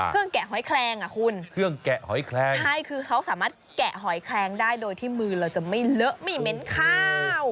แกะหอยแคลงอ่ะคุณเครื่องแกะหอยแคลงใช่คือเขาสามารถแกะหอยแคลงได้โดยที่มือเราจะไม่เลอะไม่เหม็นข้าว